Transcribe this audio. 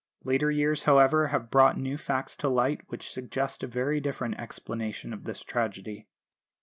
Later years, however, have brought new facts to light which suggest a very different explanation of this tragedy.